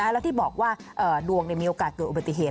แล้วที่บอกว่าดวงมีโอกาสเกิดอุบัติเหตุ